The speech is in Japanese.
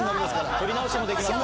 撮り直しもできますから。